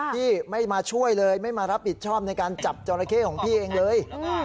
พี่ไม่มาช่วยเลยไม่มารับผิดชอบในการจับจอราเข้ของพี่เองเลย